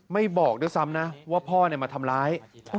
บอกด้วยซ้ำนะว่าพ่อมาทำร้าย